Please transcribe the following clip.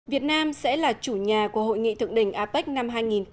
việt nam sẽ là chủ nhà của hội nghị thượng đỉnh apec năm hai nghìn một mươi bảy